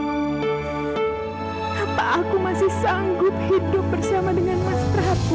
apa aku masih sanggup hidup bersama dengan mas prahatku